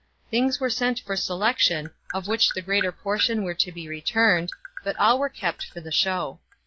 Things were sent for selection, of which the greater portion were to be returned, but all were kept for the show.